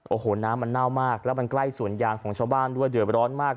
โอ้โหน้ำมันเน่ามากแล้วมันใกล้สวนยางของชาวบ้านด้วยเดือดร้อนมาก